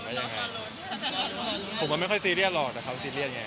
ผมก็ไม่ค่อยซีเรียสหรอกเดี๋ยวเขาซีเรียสไง